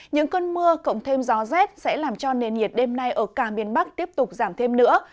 những cơn mưa cộng thêm gió rét sẽ làm cho nền nhiệt đêm nay ở cả miền bắc tiếp tục giảm thêm nữa